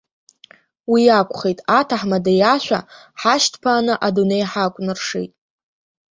Уи акәхеит, аҭаҳмада иашәа ҳаашьҭԥааны адунеи ҳакәнаршеит.